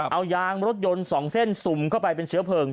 เอายางรถยนต์๒เส้นสุ่มเข้าไปเป็นเชื้อเพลิง